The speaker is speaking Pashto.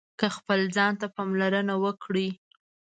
که خپل ځان ته پاملرنه وکړئ